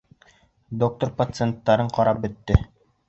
Доктор пациенттарын ҡарап бөттө.